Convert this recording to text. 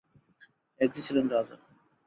এক যে ছিলেন রাজা।